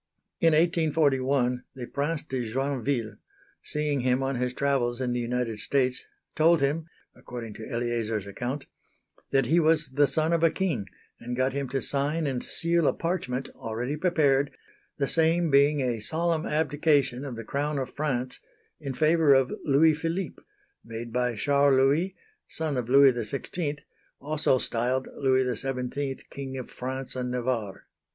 In 1841, the Prince de Joinville, seeing him on his travels in the United States, told him (according to Eleazar's account) that he was the son of a king, and got him to sign and seal a parchment, already prepared, the same being a solemn abdication of the Crown of France in favour of Louis Philippe, made by Charles Louis, son of Louis XVI, also styled Louis XVII King of France and Navarre.